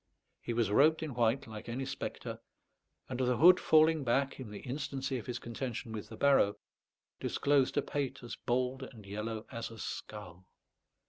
He was robed in white like any spectre, and the hood falling back, in the instancy of his contention with the barrow, disclosed a pate as bald and yellow as a skull.